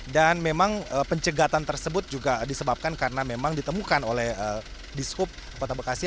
dan memang pencegatan tersebut juga disebabkan karena memang ditemukan oleh diskup kota bekasi